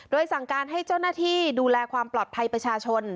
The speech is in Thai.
สั่งการให้เจ้าหน้าที่ดูแลความปลอดภัยประชาชน